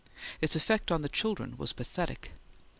Its effect on the children was pathetic.